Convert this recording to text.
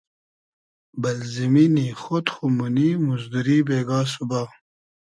بئل زیمینی خۉد خو مونی موزدوری بېگا سوبا